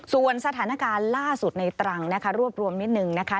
ส่วนสถานการณ์ล่าสุดในตรังนะคะรวบรวมนิดนึงนะคะ